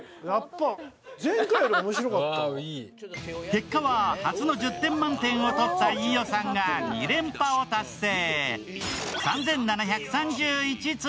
結果は初の１０点満点を取った飯尾さんが２連覇を達成。